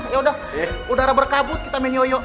yaudah udara berkabut kita main yoyo